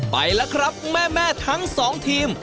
ไปแล้วครับแม่ทั้งสองทีม